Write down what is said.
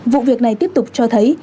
vụ việc này tiếp tục cho thấy